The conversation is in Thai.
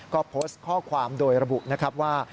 ก็โพสต์ข้อความโดยระบุนะครับว่า